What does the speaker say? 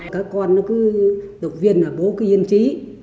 các con nó cứ độc viên là bố cứ yên trí